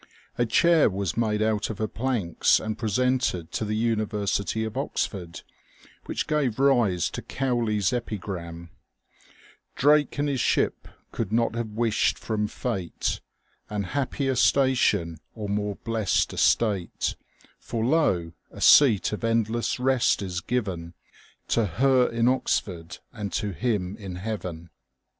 A chair was made out of her planks, and presented to the University of Oxford, which gave rise to Cowley's epigram — ''Drake and his ship could not have wished from ^ate An happier station or more blest estate ; For ]o 1 a seat of endless rest is given To her in Oxford and to him in Heaven.